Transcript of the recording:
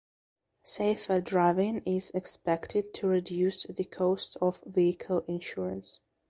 Safer driving is expected to reduce the costs of vehicle insurance.